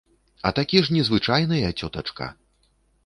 А такі ж незвычайныя, цётачка.